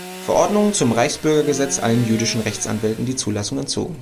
Verordnung zum Reichsbürgergesetz allen jüdischen Rechtsanwälten die Zulassung entzogen.